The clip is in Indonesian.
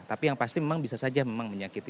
tapi yang pasti memang bisa saja memang menyakiti